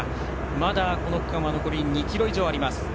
まだこの区間は残り２ｋｍ以上あります。